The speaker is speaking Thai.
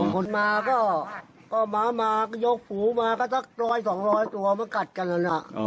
คนมาก็ม้ามาก็ยกฝูมาก็สักร้อยสองร้อยตัวมากัดกันแล้วล่ะ